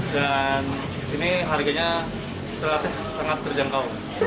dan ini harganya sangat terjangkau